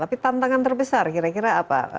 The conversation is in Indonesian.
tapi tantangan terbesar kira kira apa